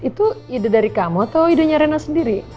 itu ide dari kamu atau idenya rena sendiri